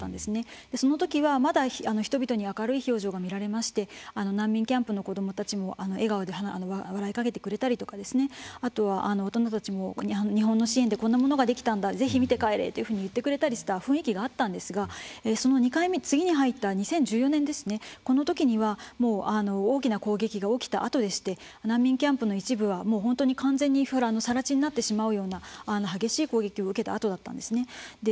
その時はまだ人々に明るい表情が見られまして難民キャンプの子どもたちも笑顔で笑いかけてくれたりとかあとは大人たちも日本の支援でこんなものができたんだぜひ見て帰れっていうふうに言ってくれたりした雰囲気があったんですが２回目次に入った２０１４年ですねこの時にはもう大きな攻撃が起きたあとでして難民キャンプの一部は完全に更地になってしまうような激しい攻撃を受けたあとだったんですね。